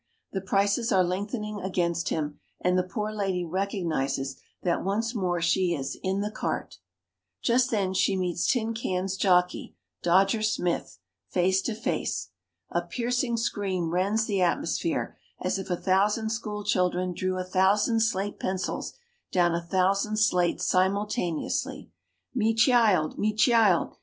The prices are lengthening against him, and the poor lady recognises that once more she is "in the cart". Just then she meets Tin Can's jockey, Dodger Smith, face to face. A piercing scream rends the atmosphere, as if a thousand school children drew a thousand slate pencils down a thousand slates simultaneously. "Me cheild! Me cheild!